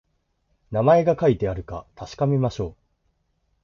名前が書いてあるか確かめましょう